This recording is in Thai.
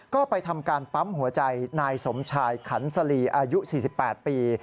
ก็ไปทำการปั๊มหัวใจนายสมชายขันสลีอายุ๔๘ปี